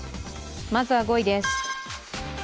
まずは５位です。